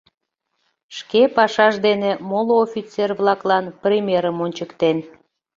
Шке пашаж дене моло офицер-влаклан примерым ончыктен.